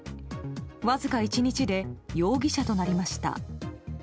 わずか１日で容疑者となりました。